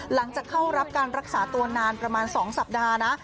หลังจากเข้ารับการรักษาตัวนานประมาณ๒สัปดาห์นะ